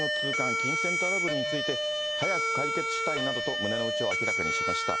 金銭トラブルについて、早く解決したいなどと胸の内を明らかにしました。